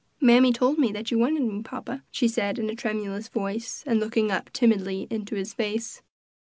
"Mammy told me that you wanted me, papa," she said in a tremulous voice, and looking up timidly into his face.